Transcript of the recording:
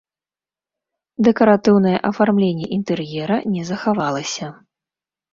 Дэкаратыўнае афармленне інтэр'ера не захавалася.